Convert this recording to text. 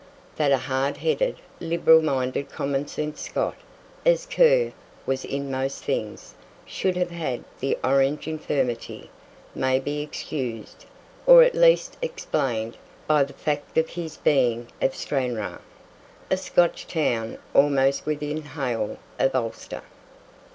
That a hard headed, liberal minded commonsense Scot, as Kerr was in most things, should have had the Orange infirmity, may be excused, or at least explained, by the fact of his being of Stranraer, a Scotch town almost within hail of Ulster.